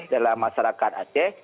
dalam masyarakat aceh